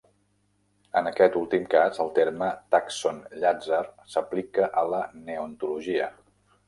En aquest últim cas, el terme "tàxon Llàtzer" s'aplica a la neontologia.